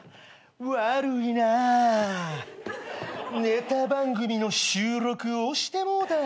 ネタ番組の収録押してもうた。